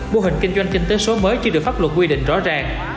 mô hình kinh doanh kinh tế số mới chưa được pháp luật quy định rõ ràng